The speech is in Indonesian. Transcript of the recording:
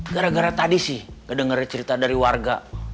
gara gara tadi sih gak dengerin cerita dari warga